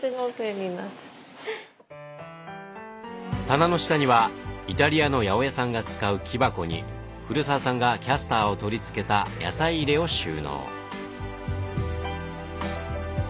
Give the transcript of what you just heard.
棚の下にはイタリアの八百屋さんが使う木箱に古澤さんがキャスターを取り付けた野菜入れを収納。